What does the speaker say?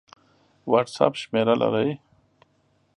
وټس اپ شمېره لرئ؟